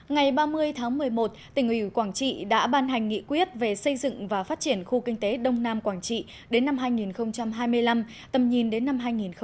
ngày ba mươi tháng một mươi một tỉnh ủy quảng trị đã ban hành nghị quyết về xây dựng và phát triển khu kinh tế đông nam quảng trị đến năm hai nghìn hai mươi năm tầm nhìn đến năm hai nghìn ba mươi